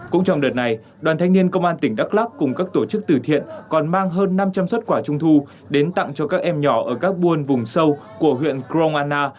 cũng trong đợt này đoàn thanh niên công an tỉnh đắk lắc cùng các tổ chức từ thiện còn mang hơn năm trăm linh xuất quà trung thu đến tặng cho các em nhỏ ở các buôn vùng sâu của huyện krong anna